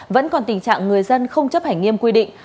vẫn còn tình trạng người dân không chấp hành nghiêm quy định